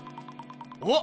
おっ！